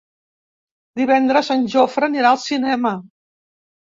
Divendres en Jofre anirà al cinema.